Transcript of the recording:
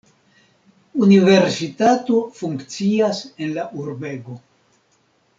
Universitato funkcias en la urbego.